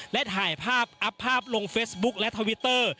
และถ่ายภาพอัพภาพลงเฟซบุ๊คและทวิตเตอร์